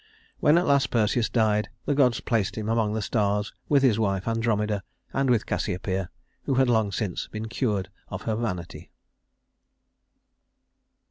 When at last Perseus died, the gods placed him among the stars with his wife Andromeda, and with Cassiopeia, who had long since been cured of her vanity.